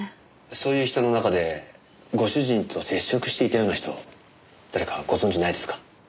そういう人の中でご主人と接触していたような人誰かご存じないですか？